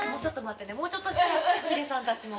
もうちょっとしたらヒデさんたちも。